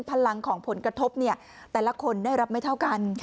พลังของผลกระทบแต่ละคนได้รับไม่เท่ากัน